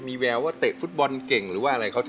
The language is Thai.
มีแววว่าเตะฟุตบอลเก่งหรือว่าอะไรเขาถึง